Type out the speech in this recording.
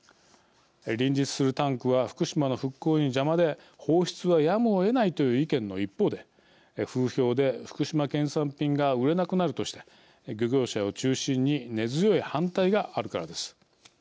林立するタンクは福島の復興に邪魔で放出はやむをえないという意見の一方で風評で福島県産品が売れなくなるとして漁業者を中心に根強い反対があるからです。